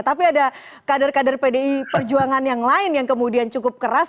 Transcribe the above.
tapi ada kader kader pdi perjuangan yang lain yang kemudian cukup keras